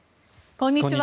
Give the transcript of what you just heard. こんにちは。